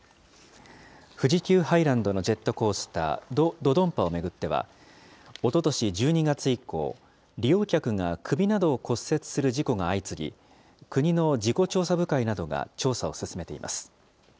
富士急ハイランドのジェットコースター、ド・ドドンパを巡っては、おととし１２月以降、利用客が首などを骨折する事故が相次ぎ、国の事故調査部会などが調査を進めています。